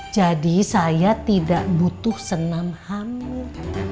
jadi saya tidak butuh senam hamil